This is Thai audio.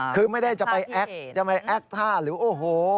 คือไม่ได้จะไปแอ็กท่าหรือโอ้โฮ